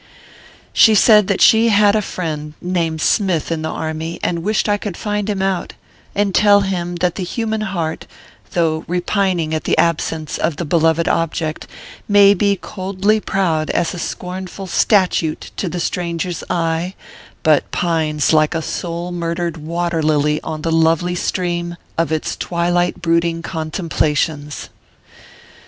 She said that she had a friend, named Smith, in the army, and wished I could find him out, and tell him that the human heart, though repining at the absence of the beloved object, may be coldly proud as a scornful statute to the stranger s eye, but pines like a soul murdered water lily on the lovely stream of its twilight brooding contem plations.